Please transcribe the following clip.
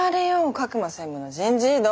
格馬専務の人事異動。